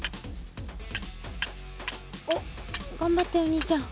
おっがんばってお兄ちゃん。